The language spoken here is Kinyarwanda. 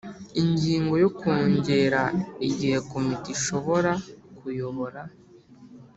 Ingingo yo Kongera igihe komite ishoborA kuyobora